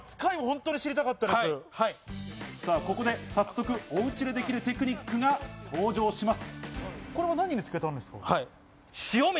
ここで早速、おうちでできるテクニックが登場します。